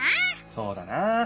そうだな！